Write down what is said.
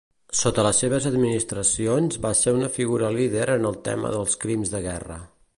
Sota les seves administracions, va ser una figura líder en el tema dels crims de guerra.